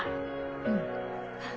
うん。